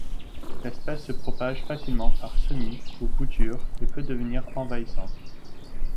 L'espèce se propage facilement par semis ou bouture et peut devenir envahissante.